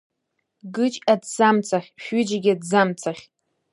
Гыџь аҭӡамцахь, шәҩыџьагьы аҭӡамцахь!